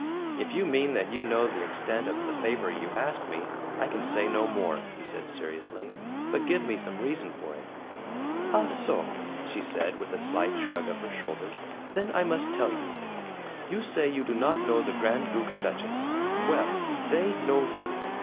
"If you mean that you know the extent of the favor you ask of me, I can say no more," he said seriously; "but give me some reason for it." "Ah so!" she said, with a slight shrug of her shoulders. "Then I must tell you. You say you do not know the Grand Duke and Duchess. Well! THEY KNOW YOU.